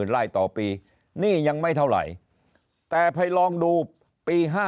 ไล่ต่อปีหนี้ยังไม่เท่าไหร่แต่ไปลองดูปี๕๗